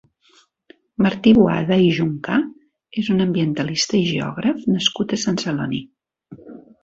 Martí Boada i Juncà és un ambientalista i geògraf nascut a Sant Celoni.